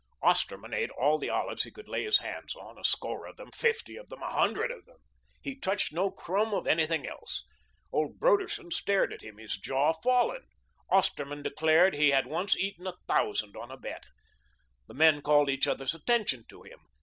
Osterman ate all the olives he could lay his hands on, a score of them, fifty of them, a hundred of them. He touched no crumb of anything else. Old Broderson stared at him, his jaw fallen. Osterman declared he had once eaten a thousand on a bet. The men called each others' attention to him.